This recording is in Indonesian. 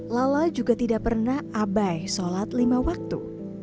lala juga tidak pernah abai sholat lima waktu